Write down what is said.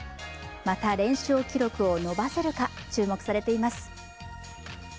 また連勝記録を伸ばせるか注目されています。